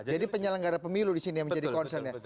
jadi penyelenggara pemilu di sini yang menjadi concern ya